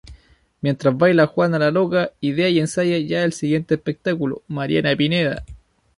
Mientras baila "Juana la loca", idea y ensaya ya el siguiente espectáculo, "Mariana Pineda".